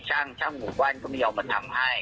ช่างหมู่บ้านก็ไม่ยอมมาทำให้